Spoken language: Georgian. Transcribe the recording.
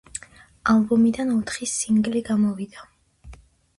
ალბომიდან ოთხი სინგლი გამოვიდა.